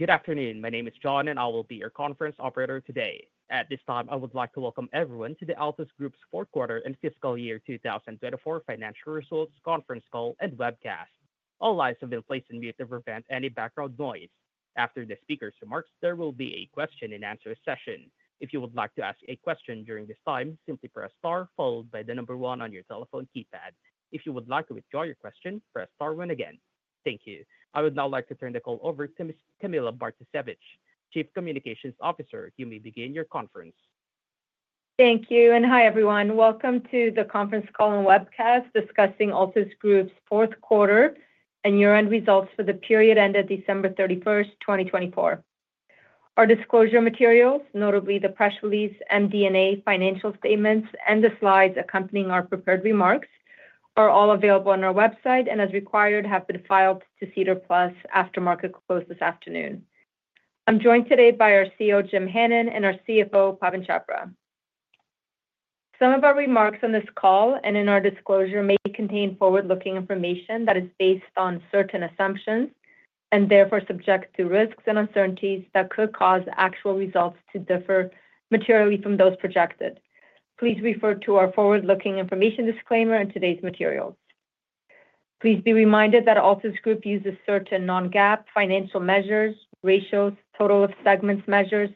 Good afternoon. My name is John, and I will be your conference operator today. At this time, I would like to welcome everyone to the Altus Group's fourth quarter and fiscal year 2024 financial results conference call and webcast. All lines have been placed on mute to prevent any background noise. After the speaker's remarks, there will be a question-and-answer session. If you would like to ask a question during this time, simply press star, followed by the number one on your telephone keypad. If you would like to withdraw your question, press star when again. Thank you. I would now like to turn the call over to Ms. Camilla Bartosiewicz, Chief Communications Officer. You may begin your conference. Thank you. And hi, everyone. Welcome to the conference call and webcast discussing Altus Group's fourth quarter and year-end results for the period ended December 31st, 2024. Our disclosure materials, notably the press release, MD&A financial statements, and the slides accompanying our prepared remarks, are all available on our website and, as required, have been filed to SEDAR+ after market close this afternoon. I'm joined today by our CEO, Jim Hannon, and our CFO, Pawan Chhabra. Some of our remarks on this call and in our disclosure may contain forward-looking information that is based on certain assumptions and therefore subject to risks and uncertainties that could cause actual results to differ materially from those projected. Please refer to our forward-looking information disclaimer and today's materials. Please be reminded that Altus Group uses certain non-GAAP financial measures, ratios, total of segments measures,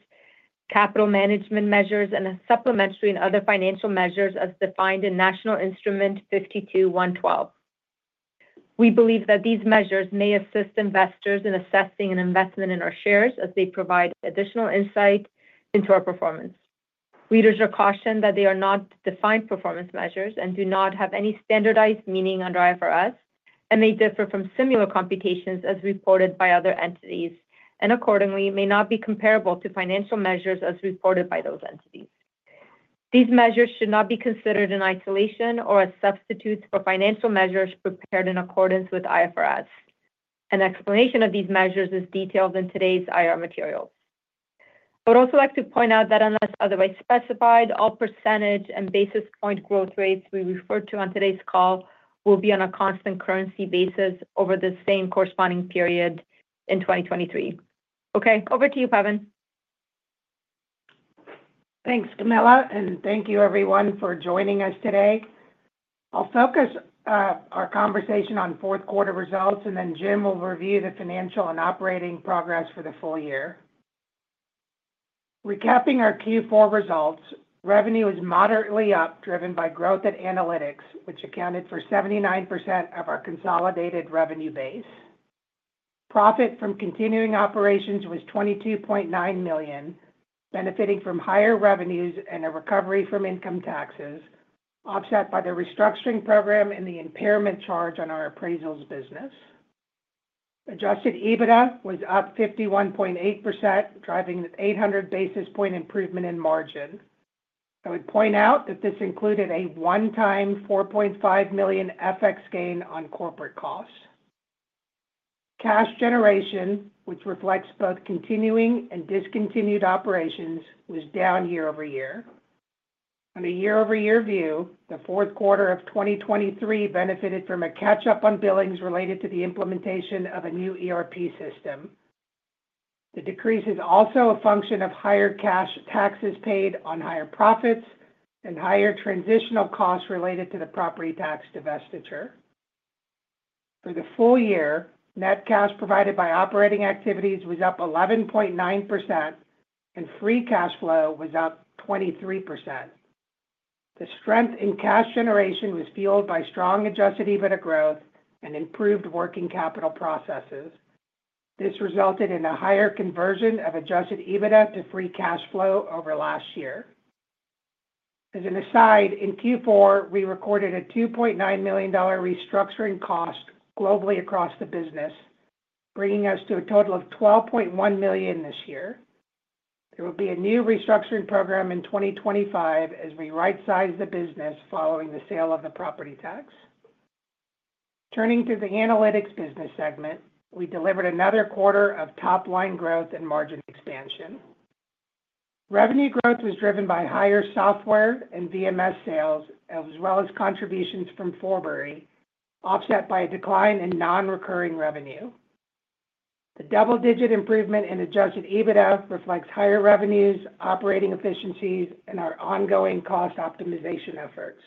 capital management measures, and supplementary and other financial measures as defined in National Instrument 52-112. We believe that these measures may assist investors in assessing an investment in our shares as they provide additional insight into our performance. Readers are cautioned that they are not defined performance measures and do not have any standardized meaning under IFRS, and they differ from similar computations as reported by other entities and, accordingly, may not be comparable to financial measures as reported by those entities. These measures should not be considered in isolation or as substitutes for financial measures prepared in accordance with IFRS. An explanation of these measures is detailed in today's IR materials. I would also like to point out that unless otherwise specified, all percentage and basis point growth rates we refer to on today's call will be on a constant currency basis over the same corresponding period in 2023. Okay, over to you, Pawan. Thanks, Camilla, and thank you, everyone, for joining us today. I'll focus our conversation on fourth quarter results, and then Jim will review the financial and operating progress for the full year. Recapping our Q4 results, revenue was moderately up, driven by growth at Analytics, which accounted for 79% of our consolidated revenue base. Profit from continuing operations was 22.9 million, benefiting from higher revenues and a recovery from income taxes, offset by the restructuring program and the impairment charge on our appraisals business. Adjusted EBITDA was up 51.8%, driving an 800 basis point improvement in margin. I would point out that this included a one-time 4.5 million FX gain on corporate costs. Cash generation, which reflects both continuing and discontinued operations, was down year-over-year. On a year-over-year view, the fourth quarter of 2023 benefited from a catch-up on billings related to the implementation of a new ERP system. The decrease is also a function of higher cash taxes paid on higher profits and higher transitional costs related to the Property Tax divestiture. For the full year, net cash provided by operating activities was up 11.9%, and free cash flow was up 23%. The strength in cash generation was fueled by strong adjusted EBITDA growth and improved working capital processes. This resulted in a higher conversion of adjusted EBITDA to free cash flow over last year. As an aside, in Q4, we recorded a 2.9 million dollar restructuring cost globally across the business, bringing us to a total of 12.1 million this year. There will be a new restructuring program in 2025 as we right-size the business following the sale of the Property Tax. Turning to the Analytics business segment, we delivered another quarter of top-line growth and margin expansion. Revenue growth was driven by higher software and VMS sales, as well as contributions from Forbury, offset by a decline in non-recurring revenue. The double-digit improvement in adjusted EBITDA reflects higher revenues, operating efficiencies, and our ongoing cost optimization efforts.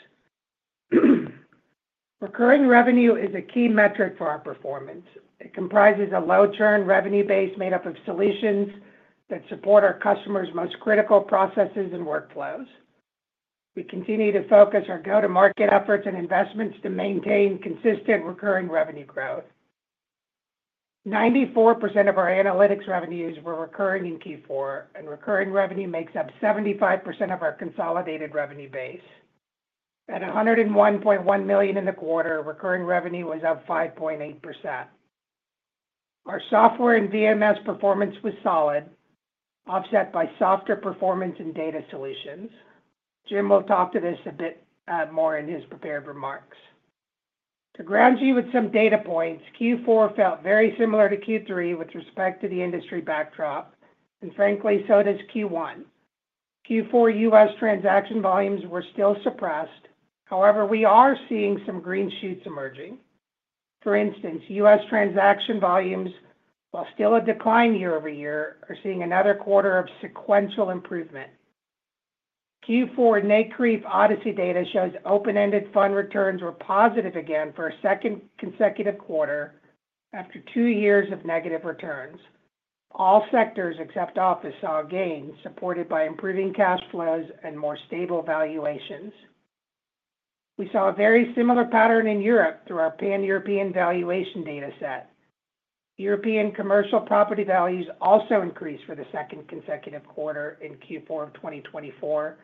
Recurring revenue is a key metric for our performance. It comprises a low-churn revenue base made up of solutions that support our customers' most critical processes and workflows. We continue to focus our go-to-market efforts and investments to maintain consistent recurring revenue growth. 94% of our Analytics revenues were recurring in Q4, and recurring revenue makes up 75% of our consolidated revenue base. At 101.1 million in the quarter, recurring revenue was up 5.8%. Our software and VMS performance was solid, offset by softer performance in data solutions. Jim will talk to this a bit more in his prepared remarks. To ground you with some data points, Q4 felt very similar to Q3 with respect to the industry backdrop, and frankly, so does Q1. Q4 U.S. transaction volumes were still suppressed. However, we are seeing some green shoots emerging. For instance, U.S. transaction volumes, while still a decline year-over-year, are seeing another quarter of sequential improvement. Q4 NCREIF ODCE data shows open-ended fund returns were positive again for a second consecutive quarter after two years of negative returns. All sectors except office saw gains, supported by improving cash flows and more stable valuations. We saw a very similar pattern in Europe through our Pan-European valuation data set. European commercial property values also increased for the second consecutive quarter in Q4 of 2024,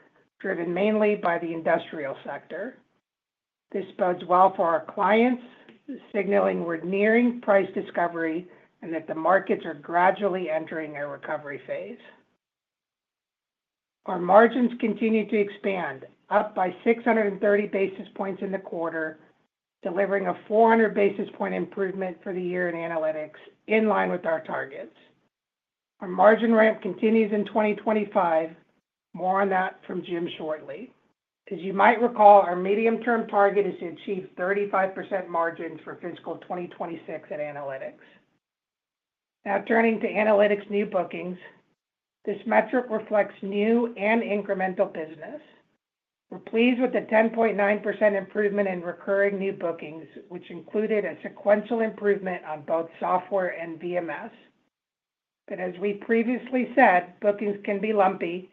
driven mainly by the industrial sector. This bodes well for our clients, signaling we're nearing price discovery and that the markets are gradually entering a recovery phase. Our margins continue to expand, up by 630 basis points in the quarter, delivering a 400 basis point improvement for the year in Analytics, in line with our targets. Our margin ramp continues in 2025. More on that from Jim shortly. As you might recall, our medium-term target is to achieve 35% margins for fiscal 2026 in Analytics. Now turning to Analytics new bookings, this metric reflects new and incremental business. We're pleased with the 10.9% improvement in recurring new bookings, which included a sequential improvement on both software and VMS. But as we previously said, bookings can be lumpy,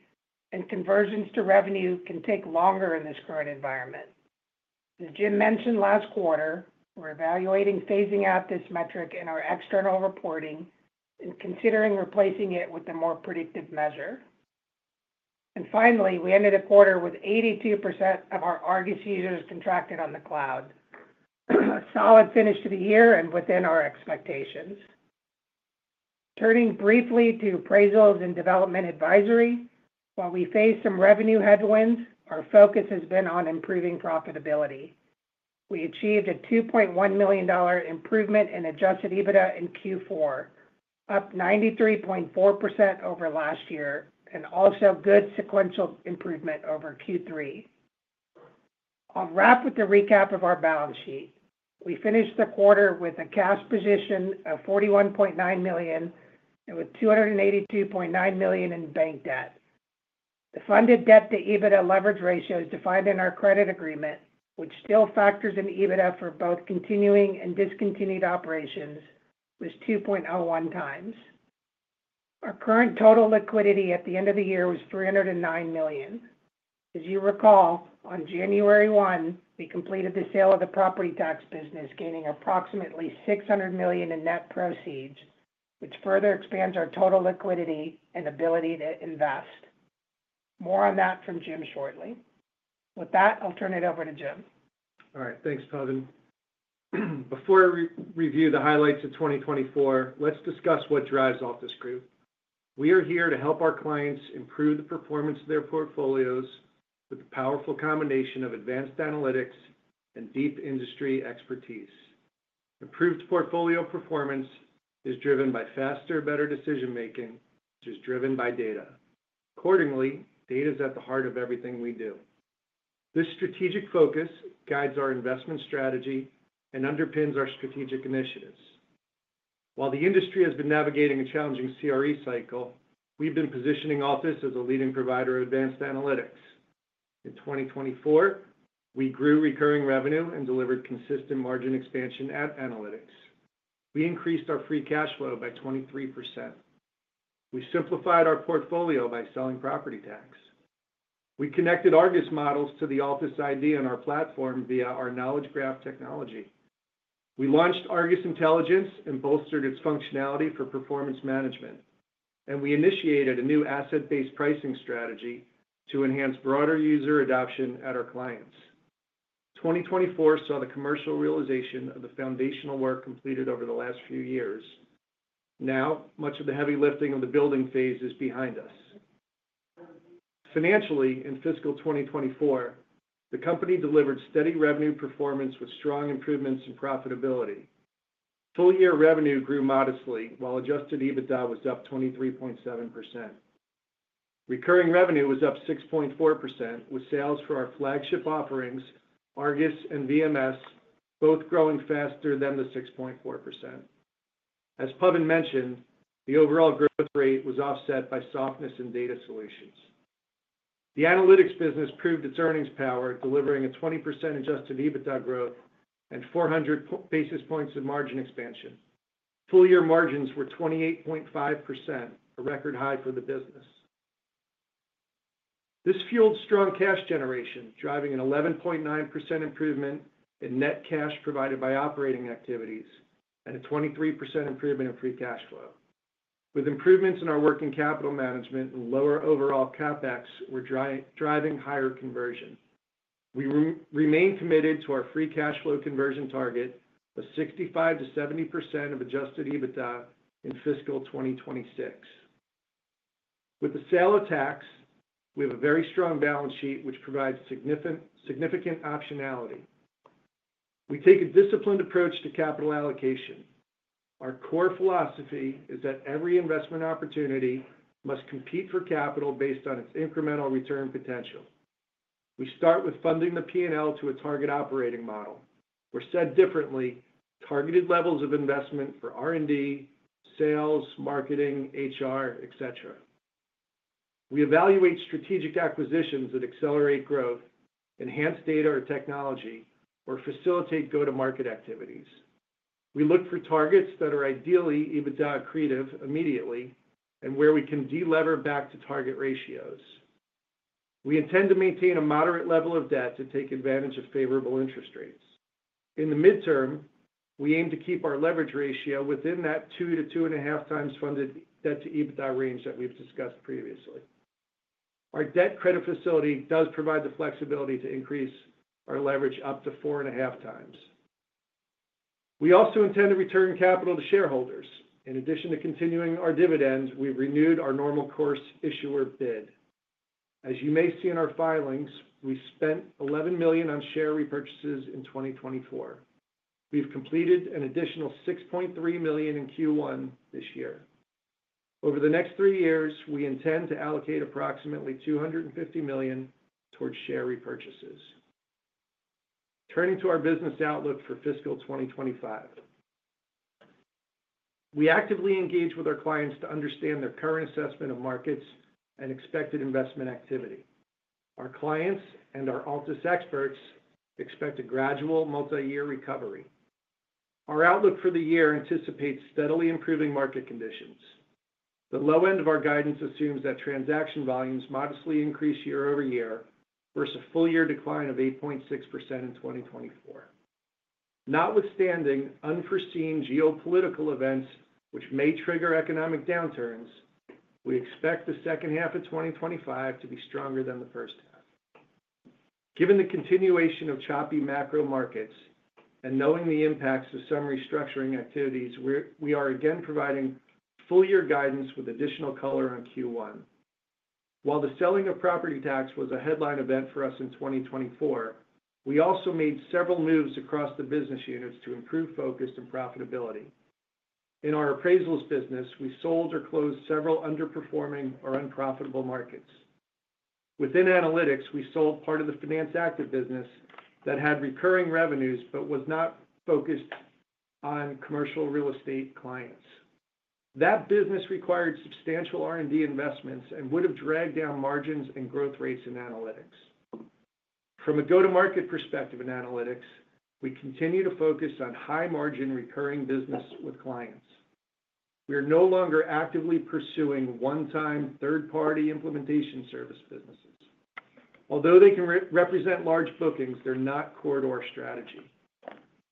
and conversions to revenue can take longer in this current environment. As Jim mentioned last quarter, we're evaluating phasing out this metric in our external reporting and considering replacing it with a more predictive measure, and finally, we ended the quarter with 82% of our ARGUS users contracted on the cloud. A solid finish to the year and within our expectations. Turning briefly to Appraisals and Development Advisory, while we face some revenue headwinds, our focus has been on improving profitability. We achieved a 2.1 million dollar improvement in adjusted EBITDA in Q4, up 93.4% over last year, and also good sequential improvement over Q3. I'll wrap with a recap of our balance sheet. We finished the quarter with a cash position of 41.9 million and with 282.9 million in bank debt. The funded debt-to-EBITDA leverage ratio is defined in our credit agreement, which still factors in EBITDA for both continuing and discontinued operations, was 2.01x. Our current total liquidity at the end of the year was 309 million. As you recall, on January 1, we completed the sale of the Property Tax business, gaining approximately 600 million in net proceeds, which further expands our total liquidity and ability to invest. More on that from Jim shortly. With that, I'll turn it over to Jim. All right. Thanks, Pawan. Before I review the highlights of 2024, let's discuss what drives Altus Group. We are here to help our clients improve the performance of their portfolios with a powerful combination of advanced analytics and deep industry expertise. Improved portfolio performance is driven by faster, better decision-making, which is driven by data. Accordingly, data is at the heart of everything we do. This strategic focus guides our investment strategy and underpins our strategic initiatives. While the industry has been navigating a challenging CRE cycle, we've been positioning Altus as a leading provider of advanced analytics. In 2024, we grew recurring revenue and delivered consistent margin expansion at Analytics. We increased our free cash flow by 23%. We simplified our portfolio by selling Property Tax. We connected ARGUS models to the Altus ID on our platform via our knowledge graph technology. We launched ARGUS Intelligence and bolstered its functionality for performance management, and we initiated a new asset-based pricing strategy to enhance broader user adoption at our clients. 2024 saw the commercial realization of the foundational work completed over the last few years. Now, much of the heavy lifting of the building phase is behind us. Financially, in fiscal 2024, the company delivered steady revenue performance with strong improvements in profitability. Full-year revenue grew modestly, while adjusted EBITDA was up 23.7%. Recurring revenue was up 6.4%, with sales for our flagship offerings, ARGUS and VMS, both growing faster than the 6.4%. As Pawan mentioned, the overall growth rate was offset by softness in data solutions. The Analytics business proved its earnings power, delivering a 20% adjusted EBITDA growth and 400 basis points of margin expansion. Full-year margins were 28.5%, a record high for the business. This fueled strong cash generation, driving an 11.9% improvement in net cash provided by operating activities and a 23% improvement in free cash flow. With improvements in our working capital management and lower overall CapEx, we're driving higher conversion. We remain committed to our free cash flow conversion target of 65-70% of adjusted EBITDA in fiscal 2026. With the sale of tax, we have a very strong balance sheet, which provides significant optionality. We take a disciplined approach to capital allocation. Our core philosophy is that every investment opportunity must compete for capital based on its incremental return potential. We start with funding the P&L to a target operating model, or said differently, targeted levels of investment for R&D, sales, marketing, HR, etc. We evaluate strategic acquisitions that accelerate growth, enhance data or technology, or facilitate go-to-market activities. We look for targets that are ideally EBITDA accretive immediately and where we can delever back to target ratios. We intend to maintain a moderate level of debt to take advantage of favorable interest rates. In the midterm, we aim to keep our leverage ratio within that 2-2.5x times funded debt-to-EBITDA range that we've discussed previously. Our debt credit facility does provide the flexibility to increase our leverage up to 4.5x. We also intend to return capital to shareholders. In addition to continuing our dividends, we've renewed our Normal Course Issuer Bid. As you may see in our filings, we spent 11 million on share repurchases in 2024. We've completed an additional 6.3 million in Q1 this year. Over the next three years, we intend to allocate approximately 250 million towards share repurchases. Turning to our business outlook for fiscal 2025, we actively engage with our clients to understand their current assessment of markets and expected investment activity. Our clients and our Altus experts expect a gradual multi-year recovery. Our outlook for the year anticipates steadily improving market conditions. The low end of our guidance assumes that transaction volumes modestly increase year-over-year versus a full-year decline of 8.6% in 2024. Notwithstanding unforeseen geopolitical events, which may trigger economic downturns, we expect the second half of 2025 to be stronger than the first half. Given the continuation of choppy macro markets and knowing the impacts of some restructuring activities, we are again providing full-year guidance with additional color on Q1. While the selling of Property Tax was a headline event for us in 2024, we also made several moves across the business units to improve focus and profitability. In our appraisals business, we sold or closed several underperforming or unprofitable markets. Within Analytics, we sold part of the Finance Active business that had recurring revenues but was not focused on commercial real estate clients. That business required substantial R&D investments and would have dragged down margins and growth rates in Analytics. From a go-to-market perspective in analytics, we continue to focus on high-margin recurring business with clients. We are no longer actively pursuing one-time third-party implementation service businesses. Although they can represent large bookings, they're not corridor strategy.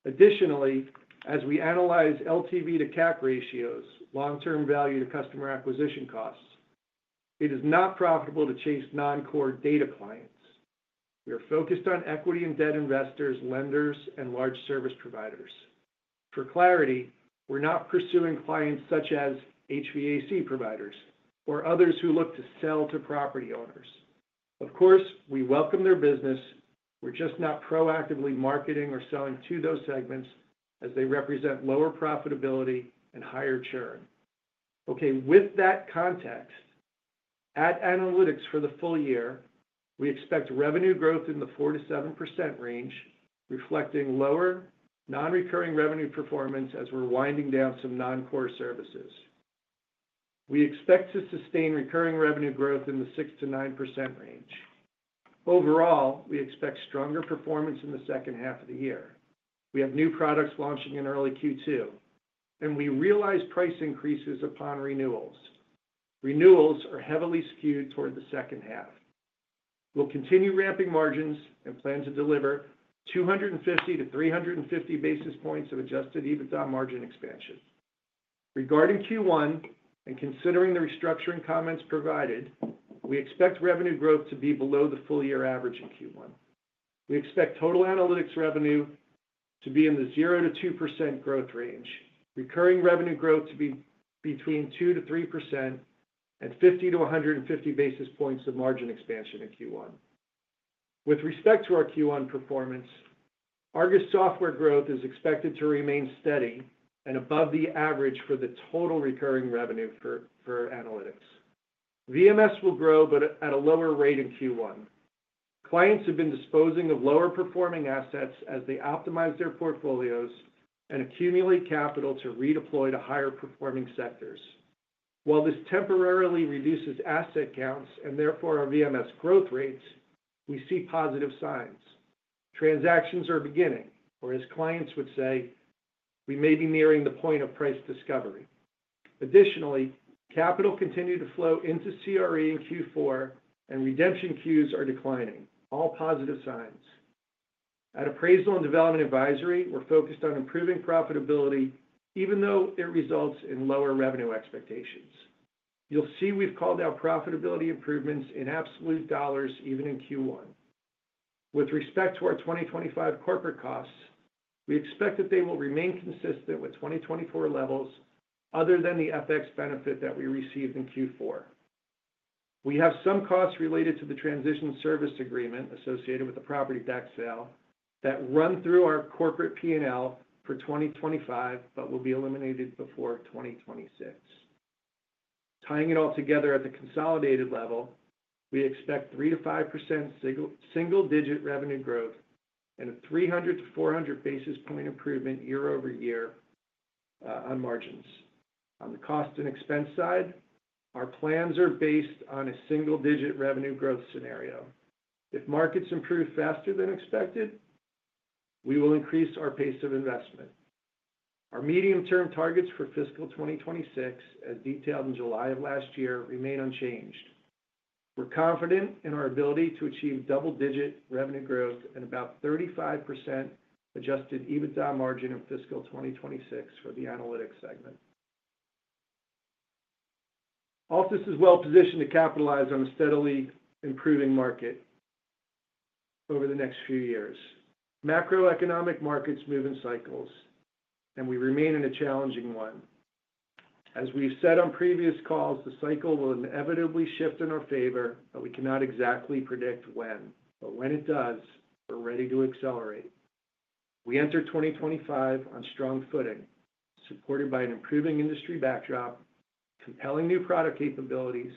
Additionally, as we analyze LTV to CAC ratios, long-term value to customer acquisition costs, it is not profitable to chase non-core data clients. We are focused on equity and debt investors, lenders, and large service providers. For clarity, we're not pursuing clients such as HVAC providers or others who look to sell to property owners. Of course, we welcome their business. We're just not proactively marketing or selling to those segments as they represent lower profitability and higher churn. Okay, with that context, at Analytics for the full year, we expect revenue growth in the 4%-7% range, reflecting lower non-recurring revenue performance as we're winding down some non-core services. We expect to sustain recurring revenue growth in the 6%-9% range. Overall, we expect stronger performance in the second half of the year. We have new products launching in early Q2, and we realize price increases upon renewals. Renewals are heavily skewed toward the second half. We'll continue ramping margins and plan to deliver 250 to 350 basis points of adjusted EBITDA margin expansion. Regarding Q1 and considering the restructuring comments provided, we expect revenue growth to be below the full-year average in Q1. We expect total Analytics revenue to be in the 0%-2% growth range, recurring revenue growth to be between 2%-3%, and 50-150 basis points of margin expansion in Q1. With respect to our Q1 performance, ARGUS Software growth is expected to remain steady and above the average for the total recurring revenue for Analytics. VMS will grow, but at a lower rate in Q1. Clients have been disposing of lower-performing assets as they optimize their portfolios and accumulate capital to redeploy to higher-performing sectors. While this temporarily reduces asset counts and therefore our VMS growth rates, we see positive signs. Transactions are beginning, or as clients would say, we may be nearing the point of price discovery. Additionally, capital continued to flow into CRE in Q4, and redemption queues are declining. All positive signs. At Appraisals and Development Advisory, we're focused on improving profitability, even though it results in lower revenue expectations. You'll see we've called out profitability improvements in absolute dollars even in Q1. With respect to our 2025 corporate costs, we expect that they will remain consistent with 2024 levels other than the FX benefit that we received in Q4. We have some costs related to the Transition Services Agreement associated with the Property Tax sale that run through our corporate P&L for 2025, but will be eliminated before 2026. Tying it all together at the consolidated level, we expect 3%-5% single-digit revenue growth and a 300-400 basis points improvement year-over-year on margins. On the cost and expense side, our plans are based on a single-digit revenue growth scenario. If markets improve faster than expected, we will increase our pace of investment. Our medium-term targets for fiscal 2026, as detailed in July of last year, remain unchanged. We're confident in our ability to achieve double-digit revenue growth and about 35% adjusted EBITDA margin in fiscal 2026 for the Analytics segment. Altus is well positioned to capitalize on a steadily improving market over the next few years. Macroeconomic markets move in cycles, and we remain in a challenging one. As we've said on previous calls, the cycle will inevitably shift in our favor, but we cannot exactly predict when. But when it does, we're ready to accelerate. We enter 2025 on strong footing, supported by an improving industry backdrop, compelling new product capabilities,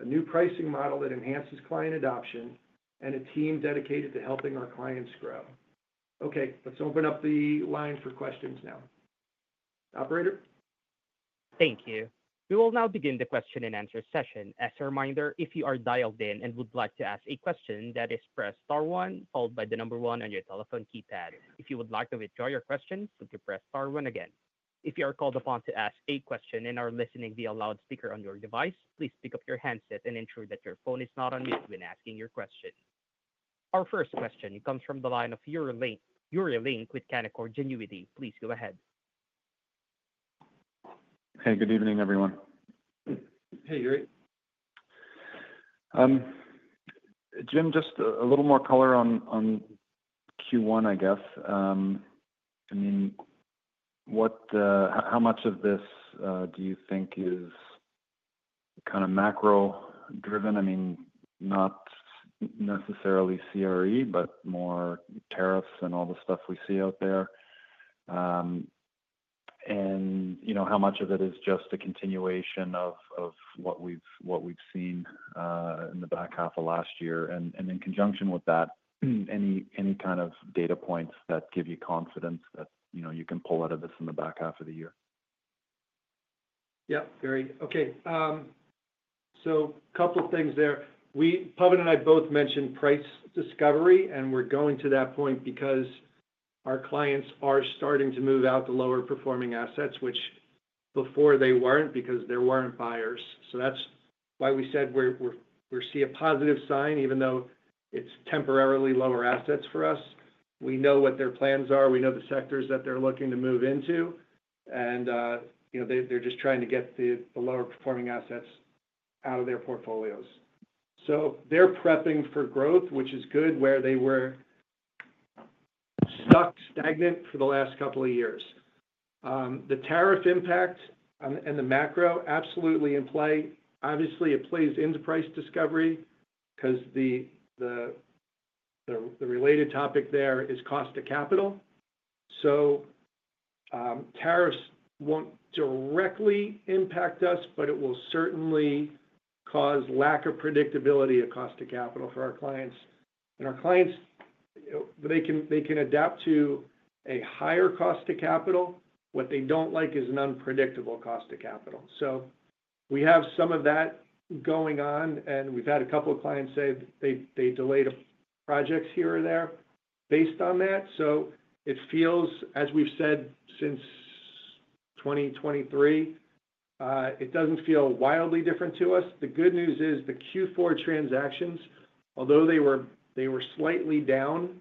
a new pricing model that enhances client adoption, and a team dedicated to helping our clients grow. Okay, let's open up the line for questions now. Operator? Thank you. We will now begin the question-and-answer session. As a reminder, if you are dialed in and would like to ask a question, that is press star 1, followed by the number 1 on your telephone keypad. If you would like to withdraw your question, simply press star 1 again. If you are called upon to ask a question and are listening via loudspeaker on your device, please pick up your handset and ensure that your phone is not on mute when asking your question. Our first question comes from the line of Yuri Lynk with Canaccord Genuity. Please go ahead. Hey, good evening, everyone. Hey, Yuri. Jim, just a little more color on Q1, I guess. I mean, how much of this do you think is kind of macro-driven? I mean, not necessarily CRE, but more tariffs and all the stuff we see out there. How much of it is just a continuation of what we've seen in the back half of last year? And in conjunction with that, any kind of data points that give you confidence that you can pull out of this in the back half of the year? Yep, very okay. So a couple of things there. Pawan and I both mentioned price discovery, and we're going to that point because our clients are starting to move out the lower-performing assets, which before they weren't because there weren't buyers. So that's why we said we see a positive sign, even though it's temporarily lower assets for us. We know what their plans are. We know the sectors that they're looking to move into. And they're just trying to get the lower-performing assets out of their portfolios. So they're prepping for growth, which is good, where they were stuck, stagnant for the last couple of years. The tariff impact and the macro absolutely in play. Obviously, it plays into price discovery because the related topic there is cost of capital. So tariffs won't directly impact us, but it will certainly cause lack of predictability of cost of capital for our clients. And our clients, they can adapt to a higher cost of capital. What they don't like is an unpredictable cost of capital. So we have some of that going on, and we've had a couple of clients say they delayed projects here or there based on that. So it feels, as we've said since 2023, it doesn't feel wildly different to us. The good news is the Q4 transactions, although they were slightly down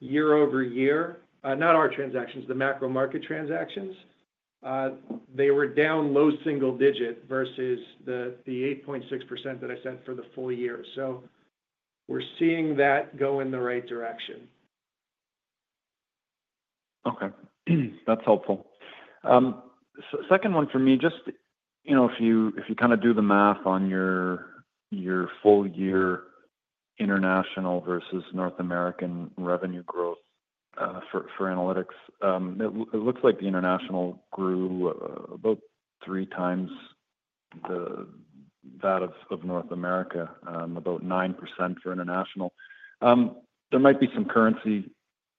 year-over-year, not our transactions, the macro market transactions. They were down low single digit versus the 8.6% that I said for the full year. So we're seeing that go in the right direction. Okay. That's helpful. Second one for me, just if you kind of do the math on your full-year international versus North American revenue growth for Analytics, it looks like the international grew about 3x that of North America, about 9% for international. There might be some currency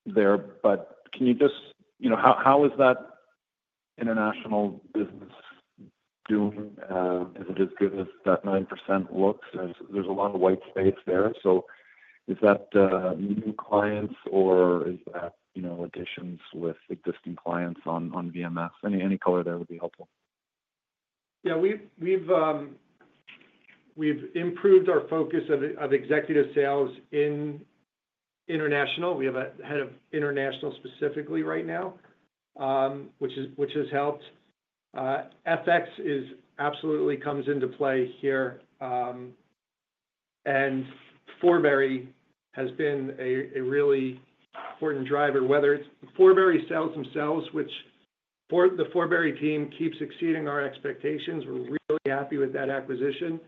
there, but can you just, how is that international business doing? Is it as good as that 9% looks? There's a lot of white space there. So is that new clients, or is that additions with existing clients on VMS? Any color there would be helpful. Yeah, we've improved our focus of executive sales in international. We have a head of international specifically right now, which has helped. FX absolutely comes into play here. And Forbury has been a really important driver, whether it's Forbury sales themselves, which the Forbury team keeps exceeding our expectations. We're really happy with that acquisition.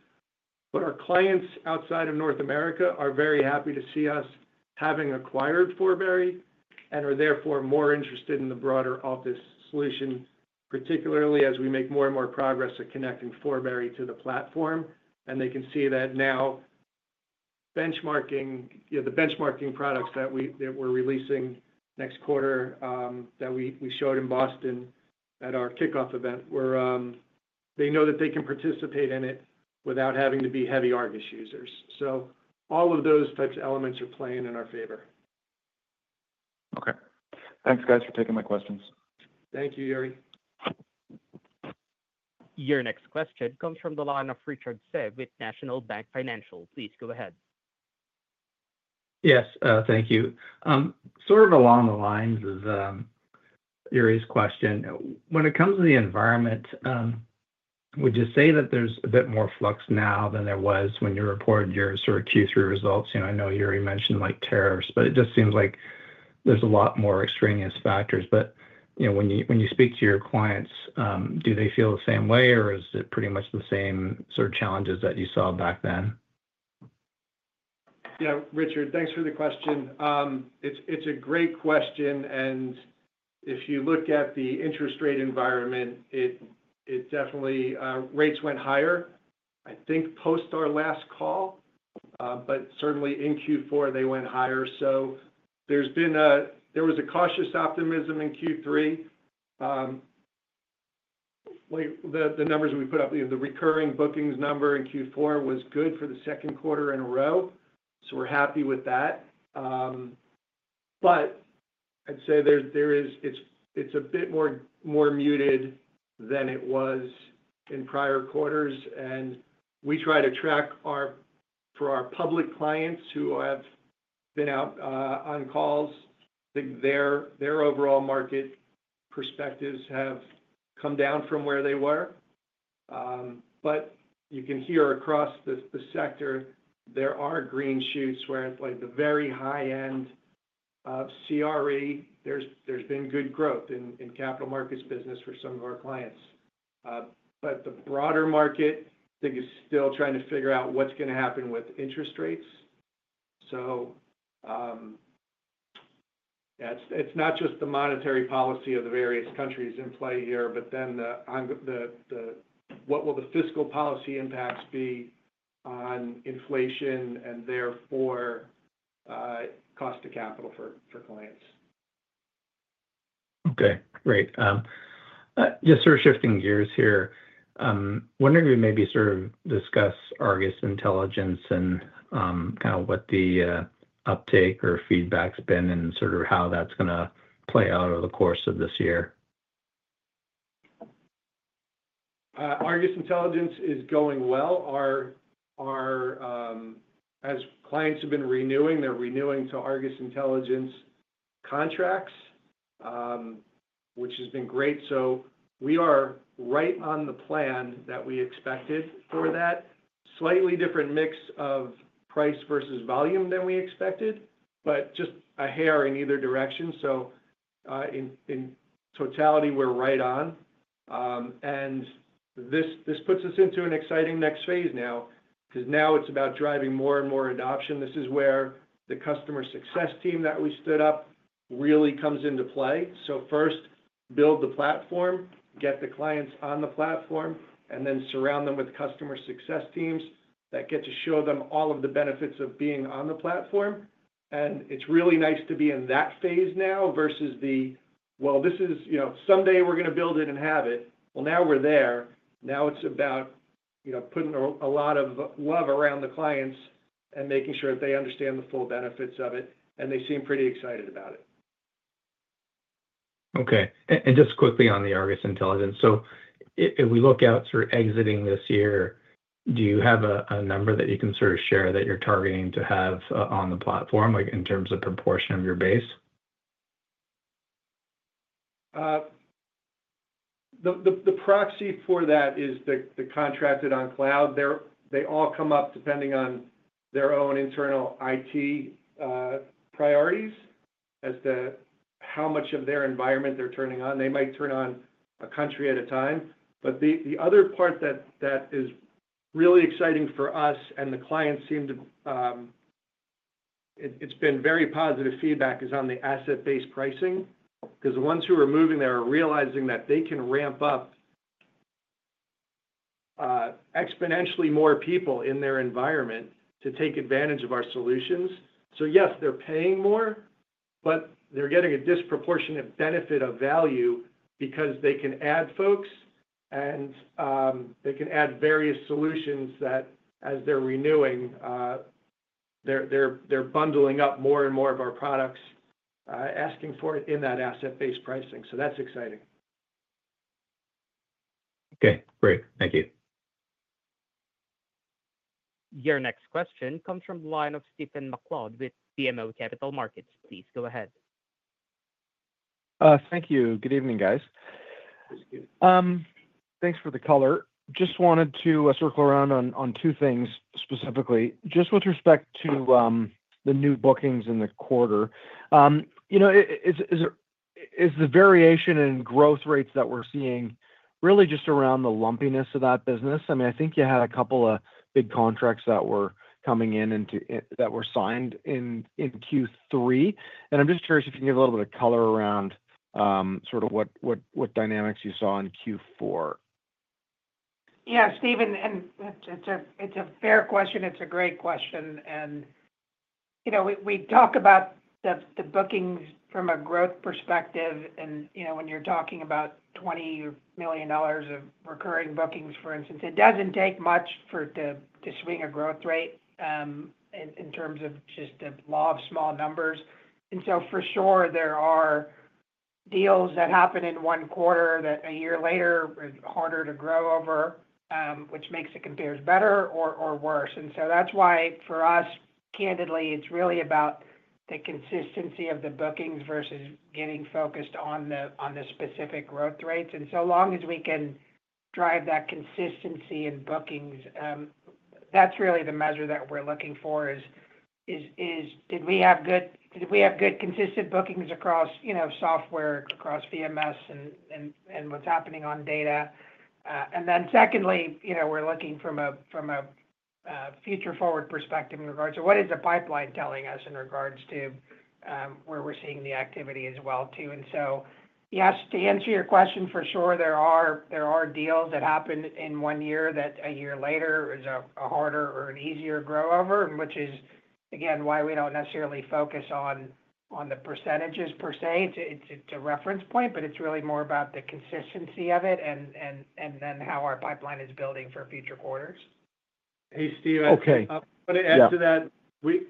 But our clients outside of North America are very happy to see us having acquired Forbury and are therefore more interested in the broader Altus solution, particularly as we make more and more progress at connecting Forbury to the platform. And they can see that now the benchmarking products that we're releasing next quarter that we showed in Boston at our kickoff event, they know that they can participate in it without having to be heavy ARGUS users. So all of those types of elements are playing in our favor. Okay. Thanks, guys, for taking my questions. Thank you, Yuri. Your next question comes from the line of Richard Tse with National Bank Financial. Please go ahead. Yes, thank you. Sort of along the lines of Yuri's question, when it comes to the environment, would you say that there's a bit more flux now than there was when you reported your sort of Q3 results? I know Yuri mentioned tariffs, but it just seems like there's a lot more extraneous factors. But when you speak to your clients, do they feel the same way, or is it pretty much the same sort of challenges that you saw back then? Yeah, Richard, thanks for the question. It's a great question. And if you look at the interest rate environment, rates went higher, I think, post our last call, but certainly in Q4, they went higher. So there was a cautious optimism in Q3. The numbers we put up, the recurring bookings number in Q4 was good for the second quarter in a row. So we're happy with that. But I'd say it's a bit more muted than it was in prior quarters. And we try to track for our public clients who have been out on calls. Their overall market perspectives have come down from where they were. But you can hear across the sector, there are green shoots where it's like the very high-end CRE. There's been good growth in capital markets business for some of our clients. But the broader market, they're still trying to figure out what's going to happen with interest rates. So it's not just the monetary policy of the various countries in play here, but then what will the fiscal policy impacts be on inflation and therefore cost of capital for clients? Okay. Great. Just sort of shifting gears here, wondering if we maybe sort of discuss ARGUS Intelligence and kind of what the uptake or feedback's been and sort of how that's going to play out over the course of this year. ARGUS Intelligence is going well. As clients have been renewing, they're renewing to ARGUS Intelligence contracts, which has been great. So we are right on the plan that we expected for that. Slightly different mix of price versus volume than we expected, but just a hair in either direction. So in totality, we're right on. And this puts us into an exciting next phase now because now it's about driving more and more adoption. This is where the customer success team that we stood up really comes into play. So first, build the platform, get the clients on the platform, and then surround them with customer success teams that get to show them all of the benefits of being on the platform. And it's really nice to be in that phase now versus the, "Well, this is someday we're going to build it and have it." Well, now we're there. Now it's about putting a lot of love around the clients and making sure that they understand the full benefits of it. And they seem pretty excited about it. Okay. And just quickly on the ARGUS Intelligence. So if we look at sort of exiting this year, do you have a number that you can sort of share that you're targeting to have on the platform in terms of proportion of your base? The proxy for that is the contracted on cloud. They all come up depending on their own internal IT priorities as to how much of their environment they're turning on. They might turn on a country at a time. But the other part that is really exciting for us and the clients seem to. It's been very positive feedback is on the asset-based pricing because the ones who are moving there are realizing that they can ramp up exponentially more people in their environment to take advantage of our solutions. So yes, they're paying more, but they're getting a disproportionate benefit of value because they can add folks, and they can add various solutions that, as they're renewing, they're bundling up more and more of our products, asking for it in that asset-based pricing. So that's exciting. Okay. Great. Thank you. Your next question comes from the line of Stephen MacLeod with BMO Capital Markets. Please go ahead. Thank you. Good evening, guys. Thanks for the color. Just wanted to circle around on two things specifically, just with respect to the new bookings in the quarter. Is the variation in growth rates that we're seeing really just around the lumpiness of that business? I mean, I think you had a couple of big contracts that were coming in that were signed in Q3. And I'm just curious if you can give a little bit of color around sort of what dynamics you saw in Q4. Yeah, Stephen, it's a fair question. It's a great question. And we talk about the bookings from a growth perspective. And when you're talking about 20 million dollars of recurring bookings, for instance, it doesn't take much to swing a growth rate in terms of just a lot of small numbers. And so for sure, there are deals that happen in one quarter that a year later is harder to grow over, which makes it compare better or worse. And so that's why, for us, candidly, it's really about the consistency of the bookings versus getting focused on the specific growth rates. And so long as we can drive that consistency in bookings, that's really the measure that we're looking for is, did we have good consistent bookings across software, across VMS, and what's happening on data? And then secondly, we're looking from a future-forward perspective in regards to what is the pipeline telling us in regards to where we're seeing the activity as well too. Yes, to answer your question, for sure, there are deals that happen in one year that a year later is a harder or an easier grow-over, which is, again, why we don't necessarily focus on the percentages per se. It's a reference point, but it's really more about the consistency of it and then how our pipeline is building for future quarters. Hey, Stephen. Okay. I want to add to that. We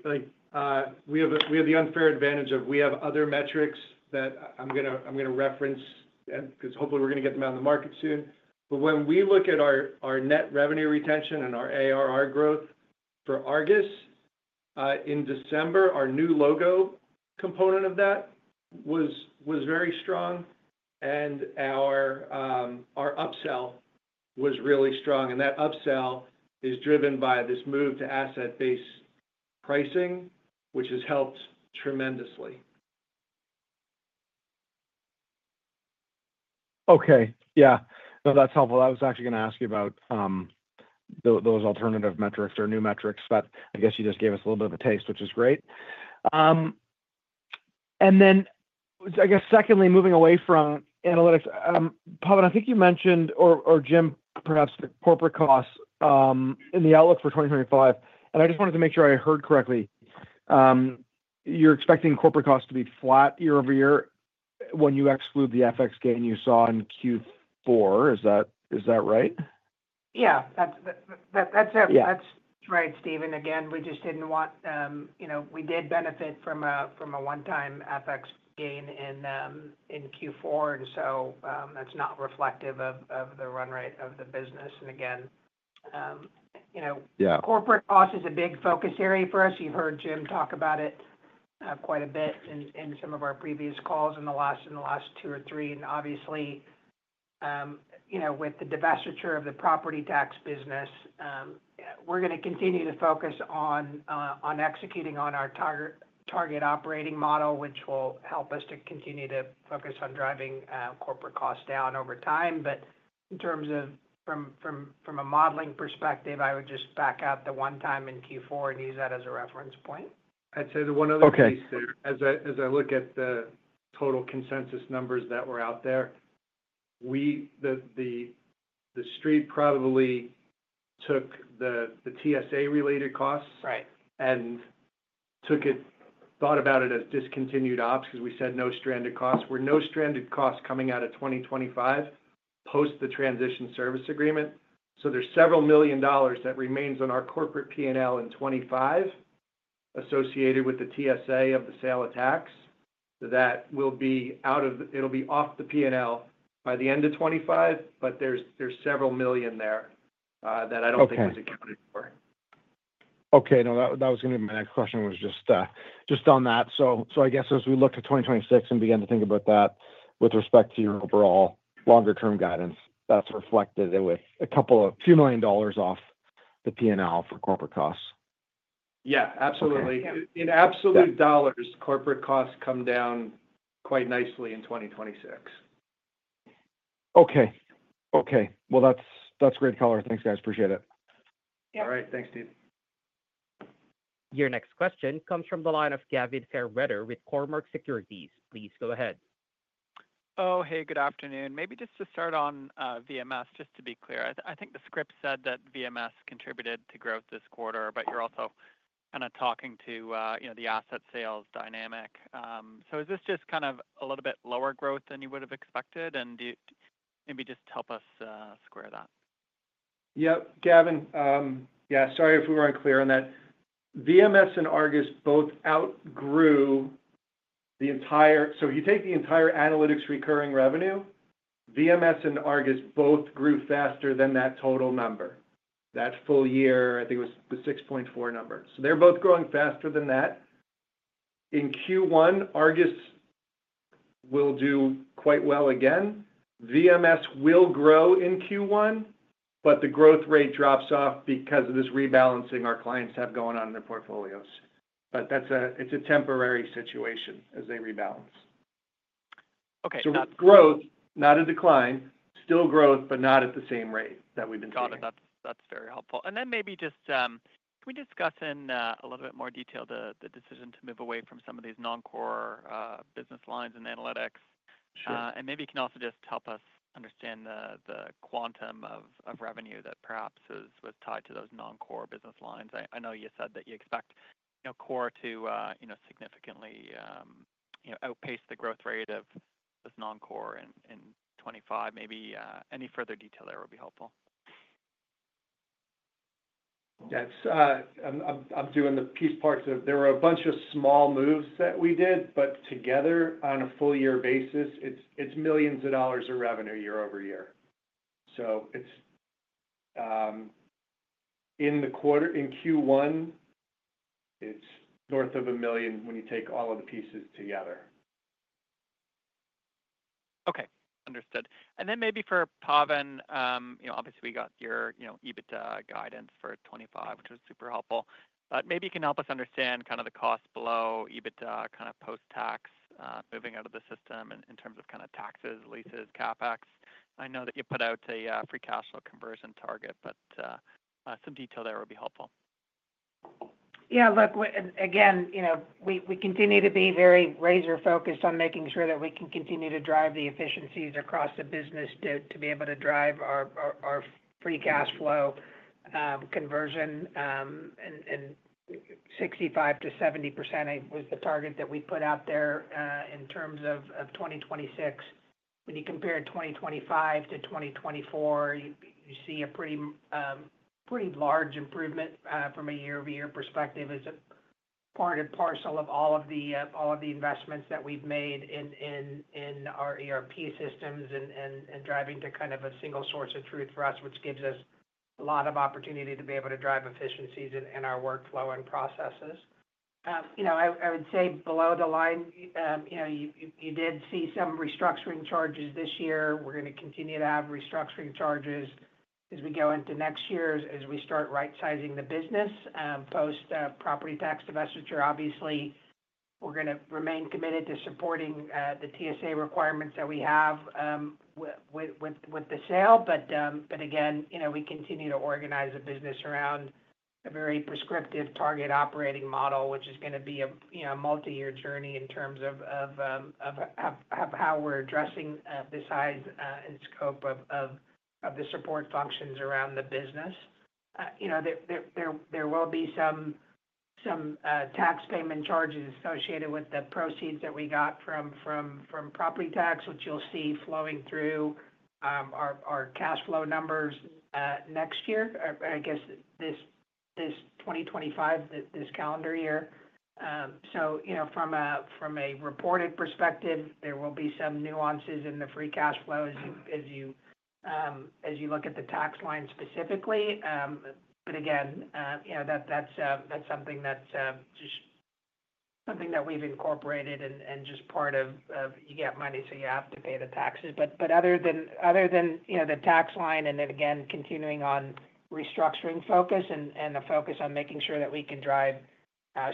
have the unfair advantage of other metrics that I'm going to reference because hopefully we're going to get them out in the market soon. But when we look at our net revenue retention and our ARR growth for ARGUS, in December, our new logo component of that was very strong. And our upsell was really strong. And that upsell is driven by this move to asset-based pricing, which has helped tremendously. Okay. Yeah. No, that's helpful. I was actually going to ask you about those alternative metrics or new metrics, but I guess you just gave us a little bit of a taste, which is great. And then, I guess, secondly, moving away from analytics, Pawan, I think you mentioned, or Jim, perhaps the corporate costs in the outlook for 2025. And I just wanted to make sure I heard correctly. You're expecting corporate costs to be flat year-over-year when you exclude the FX gain you saw in Q4. Is that right? Yeah. That's right, Stephen. Again, we just didn't want. We did benefit from a one-time FX gain in Q4. And so that's not reflective of the run rate of the business. And again, corporate cost is a big focus area for us. You've heard Jim talk about it quite a bit in some of our previous calls in the last two or three, and obviously, with the divestiture of the Property Tax business, we're going to continue to focus on executing on our target operating model, which will help us to continue to focus on driving corporate costs down over time, but in terms of from a modeling perspective, I would just back out the one-time in Q4 and use that as a reference point. I'd say the one other piece there, as I look at the total consensus numbers that were out there, the street probably took the TSA-related costs and thought about it as discontinued ops because we said no stranded costs. We're no stranded costs coming out of 2025 post the Transition Service Agreement. So, there's several million dollars that remains on our corporate P&L in 2025 associated with the TSA of the sale of tax. That will be out of—it'll be off the P&L by the end of 2025, but there's several million there that I don't think was accounted for. Okay. No, that was going to be my next question was just on that. So I guess as we look to 2026 and begin to think about that with respect to your overall longer-term guidance, that's reflected with a few million dollars off the P&L for corporate costs. Yeah. Absolutely. In absolute dollars, corporate costs come down quite nicely in 2026. Okay. Okay. Well, that's great color. Thanks, guys. Appreciate it. All right. Thanks, Stephen. Your next question comes from the line of Gavin Fairweather with Cormark Securities. Please go ahead. Oh, hey, good afternoon. Maybe just to start on VMS, just to be clear, I think the script said that VMS contributed to growth this quarter, but you're also kind of talking to the asset sales dynamic. So is this just kind of a little bit lower growth than you would have expected? And maybe just help us square that. Yep. Gavin, yeah, sorry if we weren't clear on that. VMS and ARGUS both outgrew the entire, so if you take the entire Analytics recurring revenue, VMS and ARGUS both grew faster than that total number. That full year, I think it was the 6.4 number, so they're both growing faster than that. In Q1, ARGUS will do quite well again. VMS will grow in Q1, but the growth rate drops off because of this rebalancing our clients have going on in their portfolios, but it's a temporary situation as they rebalance. So not growth, not a decline, still growth, but not at the same rate that we've been seeing. Got it. That's very helpful. And then maybe just can we discuss in a little bit more detail the decision to move away from some of these non-core business lines and analytics? And maybe you can also just help us understand the quantum of revenue that perhaps was tied to those non-core business lines. I know you said that you expect core to significantly outpace the growth rate of this non-core in 2025. Maybe any further detail there would be helpful. In doing the piece parts, there were a bunch of small moves that we did, but together on a full-year basis, it's millions of dollars of revenue year-over-year. So in Q1, it's north of a million when you take all of the pieces together. Okay. Understood. And then maybe for Pawan, obviously, we got your EBITDA guidance for 2025, which was super helpful. But maybe you can help us understand kind of the cost below EBITDA kind of post-tax moving out of the system in terms of kind of taxes, leases, CapEx. I know that you put out a free cash flow conversion target, but some detail there would be helpful. Yeah. Look, again, we continue to be very razor-focused on making sure that we can continue to drive the efficiencies across the business to be able to drive our free cash flow conversion. And 65%-70% was the target that we put out there in terms of 2026. When you compare 2025 to 2024, you see a pretty large improvement from a year-over-year perspective as a part and parcel of all of the investments that we've made in our ERP systems and driving to kind of a single source of truth for us, which gives us a lot of opportunity to be able to drive efficiencies in our workflow and processes. I would say below the line, you did see some restructuring charges this year. We're going to continue to have restructuring charges as we go into next year as we start right-sizing the business post-Property Tax divestiture. Obviously, we're going to remain committed to supporting the TSA requirements that we have with the sale. But again, we continue to organize the business around a very prescriptive target operating model, which is going to be a multi-year journey in terms of how we're addressing the size and scope of the support functions around the business. There will be some tax payment charges associated with the proceeds that we got from Property Tax, which you'll see flowing through our cash flow numbers next year, I guess, this 2025, this calendar year. So from a reported perspective, there will be some nuances in the free cash flow as you look at the tax line specifically. But again, that's something that's just something that we've incorporated and just part of you get money, so you have to pay the taxes. But other than the tax line and, again, continuing on restructuring focus and the focus on making sure that we can drive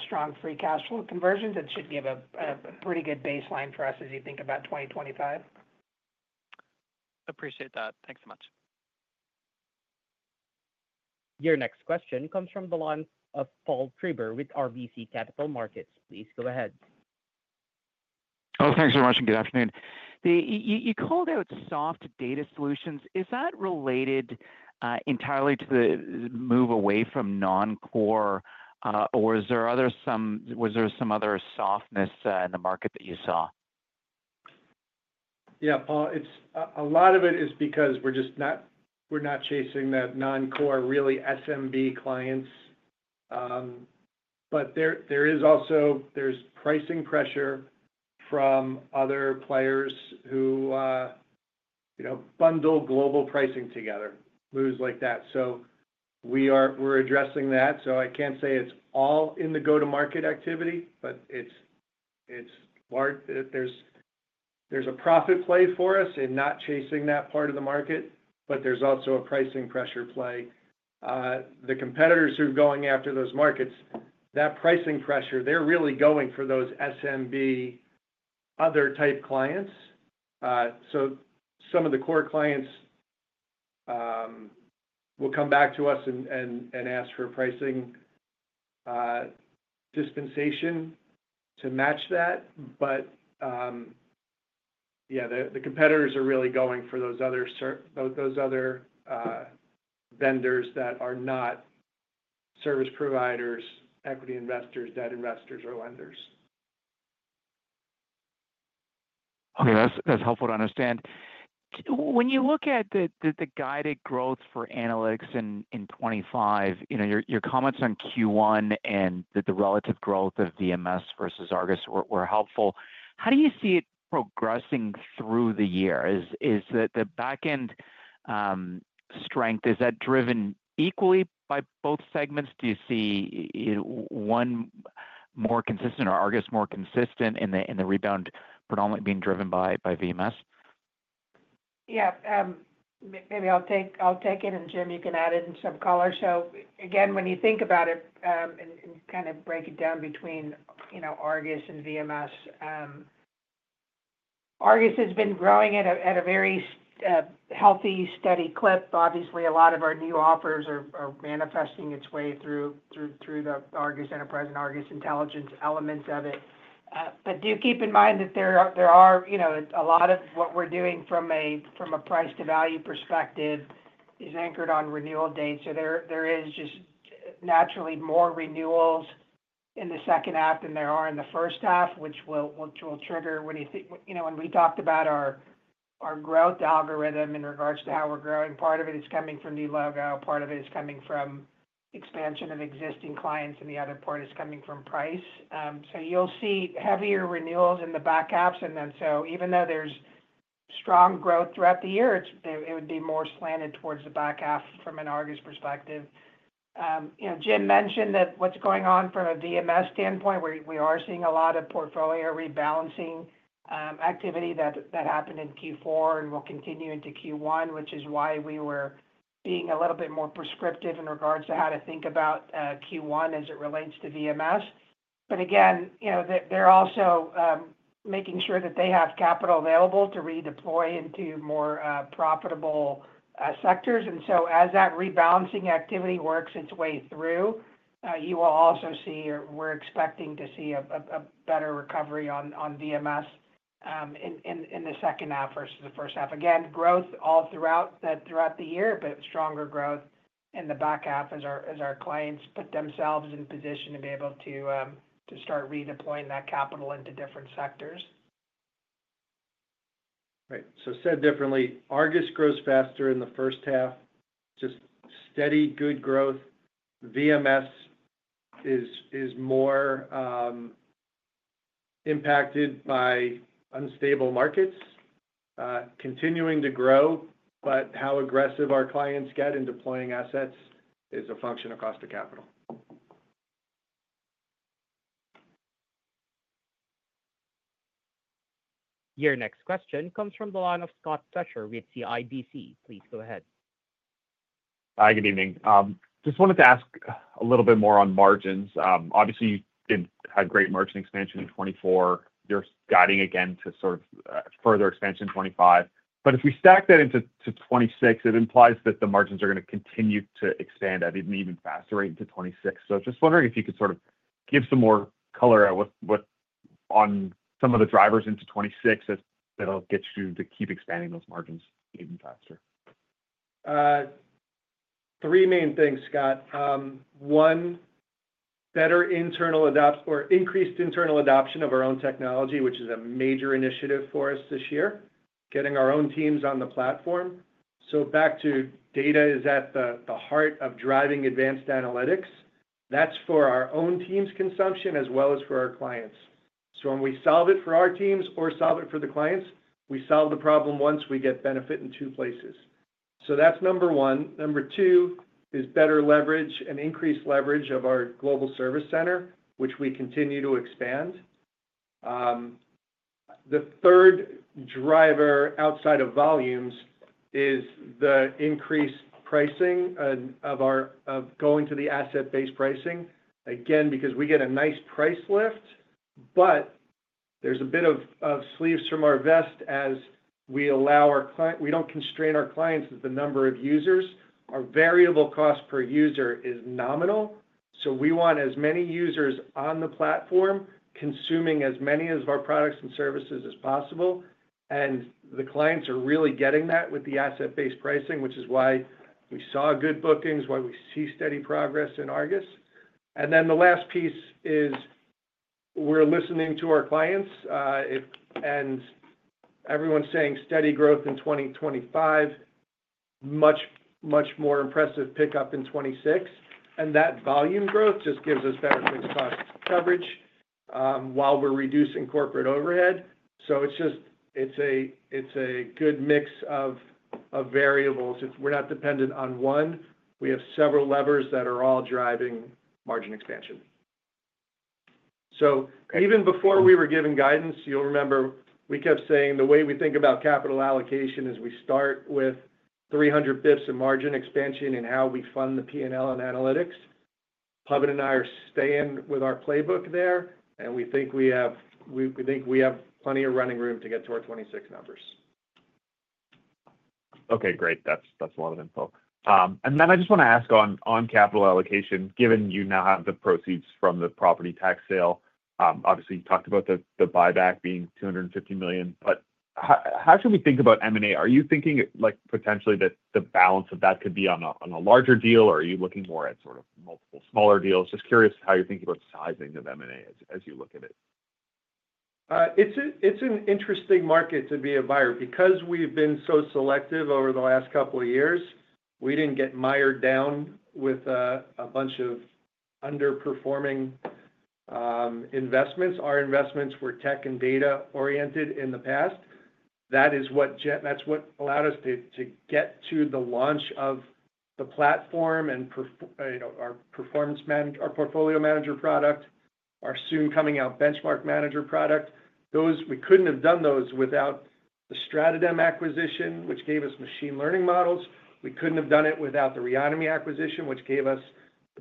strong free cash flow conversions, it should give a pretty good baseline for us as you think about 2025. Appreciate that. Thanks so much. Your next question comes from the line of Paul Treiber with RBC Capital Markets. Please go ahead. Oh, thanks very much. And good afternoon. You called out soft data solutions. Is that related entirely to the move away from non-core, or was there some other softness in the market that you saw? Yeah, Paul, a lot of it is because we're not chasing that non-core, really SMB clients. But there is also pricing pressure from other players who bundle global pricing together, moves like that. So we're addressing that. So I can't say it's all in the go-to-market activity, but there's a profit play for us in not chasing that part of the market, but there's also a pricing pressure play. The competitors who are going after those markets, that pricing pressure, they're really going for those SMB other-type clients. So some of the core clients will come back to us and ask for pricing dispensation to match that. But yeah, the competitors are really going for those other vendors that are not service providers, equity investors, debt investors, or lenders. Okay. That's helpful to understand. When you look at the guided growth for Analytics in 2025, your comments on Q1 and the relative growth of VMS versus ARGUS were helpful. How do you see it progressing through the year? Is the backend strength, is that driven equally by both segments? Do you see one more consistent or ARGUS more consistent in the rebound predominantly being driven by VMS? Yeah. Maybe I'll take it, and Jim, you can add in some color. So again, when you think about it and kind of break it down between ARGUS and VMS, ARGUS has been growing at a very healthy, steady clip. Obviously, a lot of our new offers are manifesting its way through the ARGUS Enterprise and ARGUS Intelligence elements of it. But do keep in mind that there are a lot of what we're doing from a price-to-value perspective is anchored on renewal dates. So there is just naturally more renewals in the second half than there are in the first half, which will trigger when we talked about our growth algorithm in regards to how we're growing. Part of it is coming from new logo. Part of it is coming from expansion of existing clients, and the other part is coming from price, so you'll see heavier renewals in the back halves, and so even though there's strong growth throughout the year, it would be more slanted towards the back half from an ARGUS perspective. Jim mentioned that what's going on from a VMS standpoint, we are seeing a lot of portfolio rebalancing activity that happened in Q4 and will continue into Q1, which is why we were being a little bit more prescriptive in regards to how to think about Q1 as it relates to VMS, but again, they're also making sure that they have capital available to redeploy into more profitable sectors. And so as that rebalancing activity works its way through, you will also see or we're expecting to see a better recovery on VMS in the second half versus the first half. Again, growth all throughout the year, but stronger growth in the back half as our clients put themselves in position to be able to start redeploying that capital into different sectors. Right. So said differently, ARGUS grows faster in the first half. Just steady, good growth. VMS is more impacted by unstable markets, continuing to grow, but how aggressive our clients get in deploying assets is a function of cost of capital. Your next question comes from the line of Scott Fletcher with CIBC. Please go ahead. Hi, good evening. Just wanted to ask a little bit more on margins. Obviously, you had great margin expansion in 2024. You're guiding again to sort of further expansion in 2025. But if we stack that into 2026, it implies that the margins are going to continue to expand at an even faster rate into 2026. So just wondering if you could sort of give some more color on some of the drivers into 2026 that'll get you to keep expanding those margins even faster. Three main things, Scott. One, better increased internal adoption of our own technology, which is a major initiative for us this year, getting our own teams on the platform. So back to data is at the heart of driving advanced analytics. That's for our own teams' consumption as well as for our clients. So when we solve it for our teams or solve it for the clients, we solve the problem once we get benefit in two places. So that's number one. Number two is better leverage and increased leverage of our global service center, which we continue to expand. The third driver outside of volumes is the increased pricing of going to the asset-based pricing, again, because we get a nice price lift, but there's a bit of slippage from our side as we allow our clients, we don't constrain our clients with the number of users. Our variable cost per user is nominal. So we want as many users on the platform consuming as many of our products and services as possible. And the clients are really getting that with the asset-based pricing, which is why we saw good bookings, why we see steady progress in ARGUS. And then the last piece is we're listening to our clients, and everyone's saying steady growth in 2025, much more impressive pickup in 2026. That volume growth just gives us better fixed cost coverage while we're reducing corporate overhead. It's a good mix of variables. We're not dependent on one. We have several levers that are all driving margin expansion. Even before we were given guidance, you'll remember we kept saying the way we think about capital allocation is we start with 300 bps of margin expansion in how we fund the P&L and analytics. Pawan and I are staying with our playbook there, and we think we have plenty of running room to get to our 2026 numbers. Okay. Great. That's a lot of info. Then I just want to ask on capital allocation, given you now have the proceeds from the Property Tax sale. Obviously, you talked about the buyback being 250 million. But how should we think about M&A? Are you thinking potentially that the balance of that could be on a larger deal, or are you looking more at sort of multiple smaller deals? Just curious how you're thinking about sizing of M&A as you look at it. It's an interesting market to be a buyer because we've been so selective over the last couple of years. We didn't get mired down with a bunch of underperforming investments. Our investments were tech and data-oriented in the past. That is what allowed us to get to the launch of the platform and our Portfolio Manager product, our soon-coming-out Benchmark Manager product. We couldn't have done those without the StratoDem acquisition, which gave us machine learning models. We couldn't have done it without the Reonomy acquisition, which gave us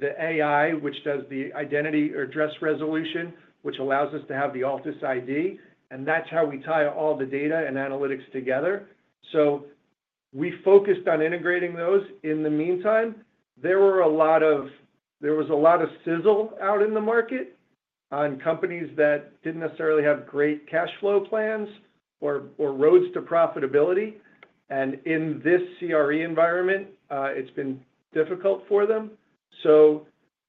the AI, which does the identity or address resolution, which allows us to have the Altus ID. That's how we tie all the data and analytics together. We focused on integrating those. In the meantime, there was a lot of sizzle out in the market on companies that didn't necessarily have great cash flow plans or roads to profitability. In this CRE environment, it's been difficult for them.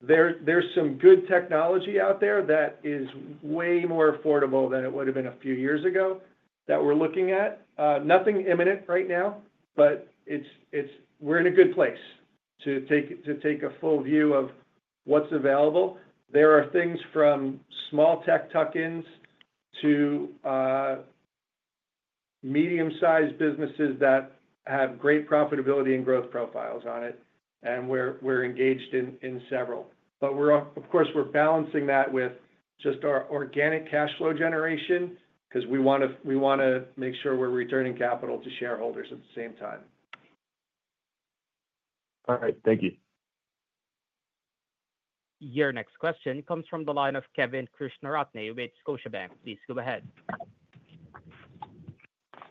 There's some good technology out there that is way more affordable than it would have been a few years ago that we're looking at. Nothing imminent right now, but we're in a good place to take a full view of what's available. There are things from small tech tuck-ins to medium-sized businesses that have great profitability and growth profiles on it. We're engaged in several. But of course, we're balancing that with just our organic cash flow generation because we want to make sure we're returning capital to shareholders at the same time. All right. Thank you. Your next question comes from the line of Kevin Krishnaratne with Scotiabank. Please go ahead.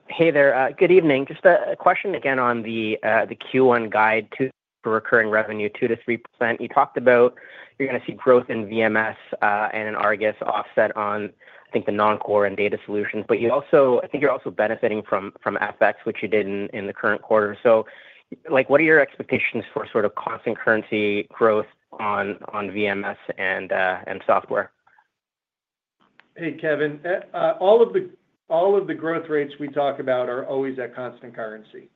Hey there. Good evening. Just a question again on the Q1 guide for recurring revenue, 2%-3%. You talked about you're going to see growth in VMS and in ARGUS offset on, I think, the non-core and data solutions. But I think you're also benefiting from FX, which you did in the current quarter. So what are your expectations for sort of constant currency growth on VMS and software? Hey, Kevin. All of the growth rates we talk about are always at constant currency.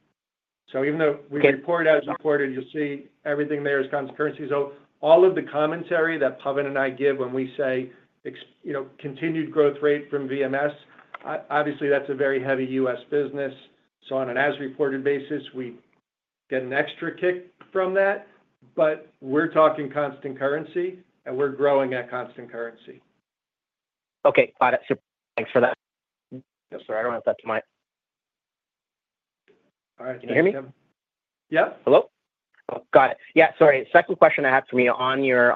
So even though we report as reported, you'll see everything there is constant currency. So all of the commentary that Pawan and I give when we say continued growth rate from VMS, obviously, that's a very heavy U.S. business. So on an as-reported basis, we get an extra kick from that. But we're talking constant currency, and we're growing at constant currency. Okay. Got it. Thanks for that. Yes, sir. I don't have that to my— All right. Can you hear me? Yep. Hello? Got it. Yeah. Sorry. Second question I have for you on your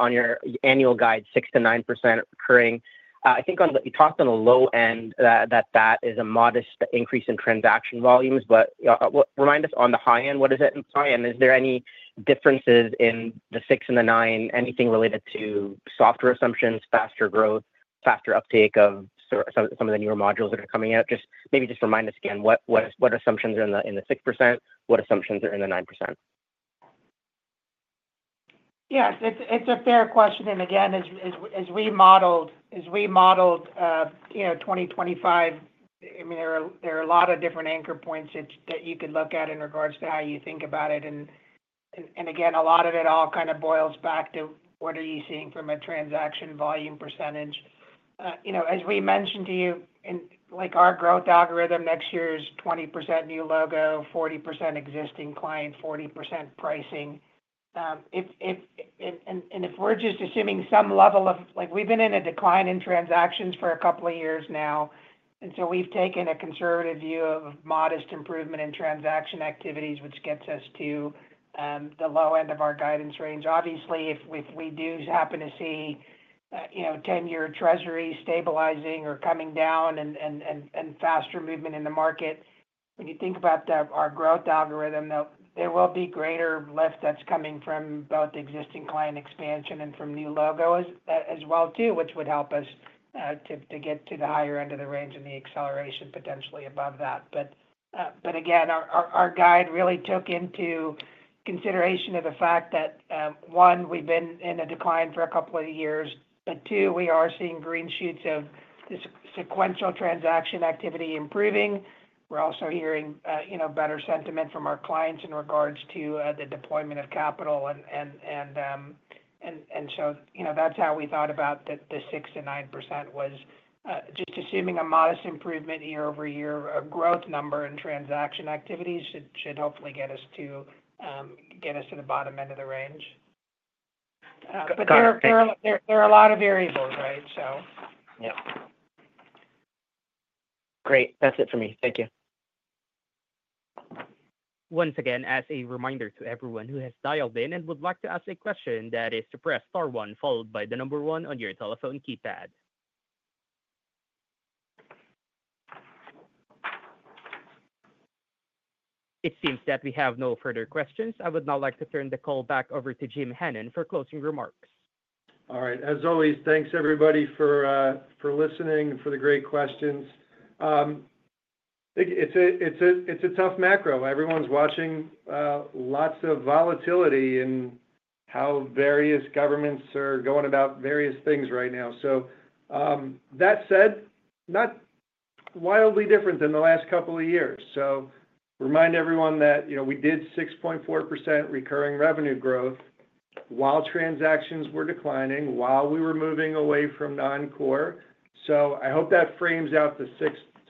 annual guide, 6%-9% recurring. I think you talked on the low end that that is a modest increase in transaction volumes, but remind us on the high end, what is it? And is there any differences in the 6 and the 9, anything related to software assumptions, faster growth, faster uptake of some of the newer modules that are coming out? Just maybe just remind us again what assumptions are in the 6%, what assumptions are in the 9%. Yes. It's a fair question. And again, as we modeled 2025, I mean, there are a lot of different anchor points that you could look at in regards to how you think about it. And again, a lot of it all kind of boils back to what are you seeing from a transaction volume percentage. As we mentioned to you, our growth algorithm next year is 20% new logo, 40% existing client, 40% pricing. And if we're just assuming some level of, we've been in a decline in transactions for a couple of years now. And so we've taken a conservative view of modest improvement in transaction activities, which gets us to the low end of our guidance range. Obviously, if we do happen to see 10-year Treasury stabilizing or coming down and faster movement in the market, when you think about our growth algorithm, there will be greater lift that's coming from both existing client expansion and from new logos as well, too, which would help us to get to the higher end of the range and the acceleration potentially above that. But again, our guide really took into consideration the fact that, one, we've been in a decline for a couple of years, but two, we are seeing green shoots of sequential transaction activity improving. We're also hearing better sentiment from our clients in regards to the deployment of capital. And so that's how we thought about the 6%-9% was just assuming a modest improvement year-over-year. A growth number in transaction activities should hopefully get us to the bottom end of the range. But there are a lot of variables, right? So. Yeah. Great. That's it for me. Thank you. Once again, as a reminder to everyone who has dialed in and would like to ask a question, that is to press star one followed by the number one on your telephone keypad. It seems that we have no further questions. I would now like to turn the call back over to Jim Hannon for closing remarks. All right. As always, thanks everybody for listening and for the great questions. It's a tough macro. Everyone's watching lots of volatility in how various governments are going about various things right now. So that said, not wildly different than the last couple of years. So remind everyone that we did 6.4% recurring revenue growth while transactions were declining, while we were moving away from non-core. So I hope that frames out the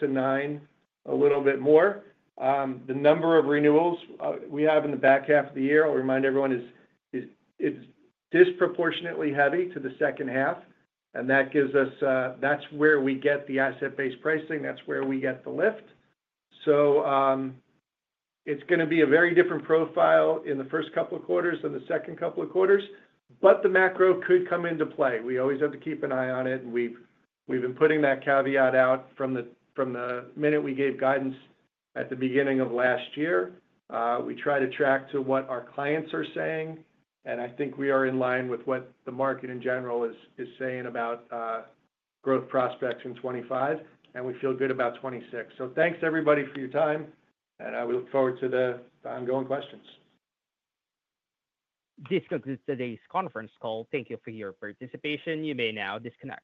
6%-9% a little bit more. The number of renewals we have in the back half of the year, I'll remind everyone, is disproportionately heavy to the second half. And that's where we get the asset-based pricing. That's where we get the lift. So it's going to be a very different profile in the first couple of quarters than the second couple of quarters. But the macro could come into play. We always have to keep an eye on it. And we've been putting that caveat out from the minute we gave guidance at the beginning of last year. We try to track to what our clients are saying. And I think we are in line with what the market in general is saying about growth prospects in 2025. And we feel good about 2026. So thanks, everybody, for your time. And I will look forward to the ongoing questions. This concludes today's conference call. Thank you for your participation. You may now disconnect.